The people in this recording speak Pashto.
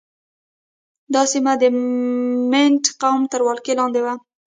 دا سیمه د مینډ قوم تر ولکې لاندې وه.